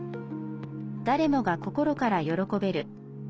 誰もが心から喜べる。